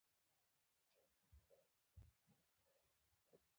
رینالډي ته مې وویل: هره شپه به سکالا ته ځم، تفریح به کوم.